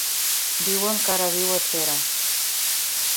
Diuen que ara viu a Xera.